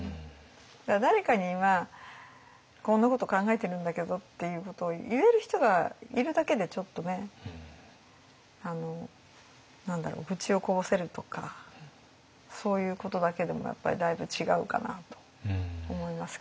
誰かに「今こんなこと考えてるんだけど」っていうことを言える人がいるだけでちょっとね何だろう愚痴をこぼせるとかそういうことだけでもやっぱりだいぶ違うかなと思いますけど。